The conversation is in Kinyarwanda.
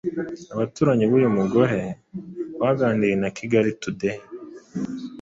Abaturanyi b’uyu mugore baganiriye na Kigali Today,